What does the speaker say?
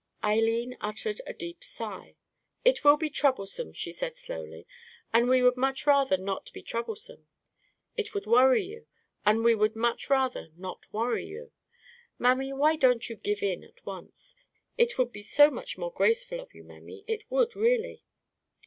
Eileen uttered a deep sigh. "It will be troublesome," she said slowly, "and we would much rather not be troublesome; it would worry you, and we would much rather not worry you. Mammy, why don't you give in at once? It would be so much more graceful of you, mammy; it would really."